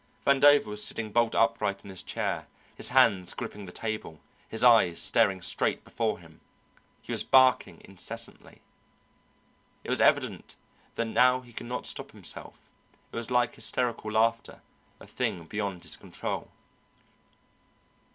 Vandover was sitting bolt upright in his chair, his hands gripping the table, his eyes staring straight before him. He was barking incessantly. It was evident that now he could not stop himself; it was like hysterical laughter, a thing beyond his control.